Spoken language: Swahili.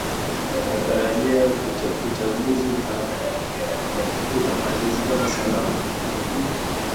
anatarajia uchaguzi utamalizika kwa salama